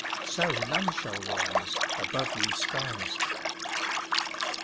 Soe man shall ryse Above y e skyea.